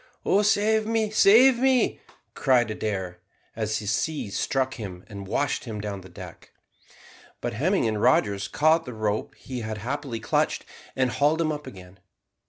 "Oh, save me, save me!" cried Adair, as a sea struck him and washed him down the deck; but Hemming and Rogers caught the rope he had happily clutched and hauled him up again.